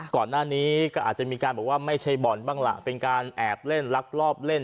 ก่อนหน้านี้ก็อาจจะมีการบอกว่าไม่ใช่บ่อนบ้างล่ะเป็นการแอบเล่นลักลอบเล่น